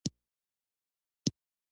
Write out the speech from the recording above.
ایا زه باید مسواک ووهم؟